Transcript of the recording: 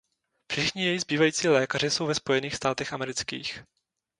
Všichni jejich zbývající lékaři jsou ve Spojených státech amerických.